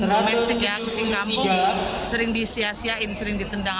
kucing kampung sering disiasiain sering ditendang